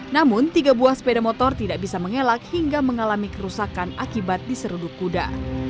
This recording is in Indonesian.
namun tiga buah sepeda motor tidak bisa mengelak hingga mengalami kerusakan akibat diseruduk kuda